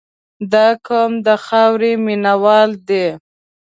• دا قوم د خاورې مینه وال دي.